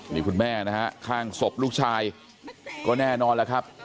นี่คุณแม่นะฮะข้างศพลูกชายก็แน่นอนแล้วครับ